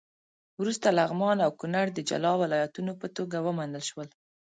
وروسته لغمان او کونړ د جلا ولایتونو په توګه ومنل شول.